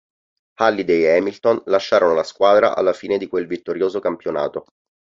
Halliday e Hamilton lasciarono la squadra alla fine di quel vittorioso campionato.